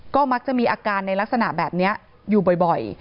ก็มักจะมีอาการในลักษณะแบบนี้อยู่บ่อย